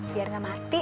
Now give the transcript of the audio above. biar gak mati